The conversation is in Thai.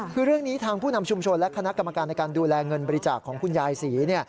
คือเรื่องนี้ทางผู้นำชุมชนและคณะกรรมการในการดูแลเงินบริจาคของคุณยายศรี